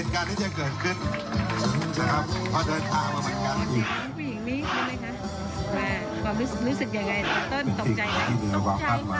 ขอบคุณครับ